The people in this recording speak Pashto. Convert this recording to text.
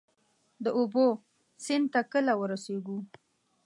د اوبو، سیند ته کله ورسیږو؟